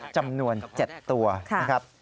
จำนวน๗ตัวนะครับ